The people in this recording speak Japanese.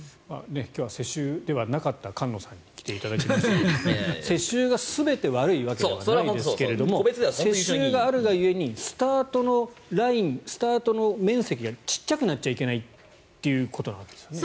今日は世襲ではなかった菅野さんに来ていただいていますが世襲が全て悪いわけではないですが世襲があるが故にスタートのライン、面積が小さくなっちゃいけないということなわけですよね。